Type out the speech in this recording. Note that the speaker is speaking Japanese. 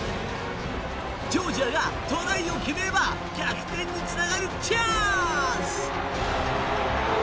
ジョージアがトライを決めれば逆転につながるチャンス！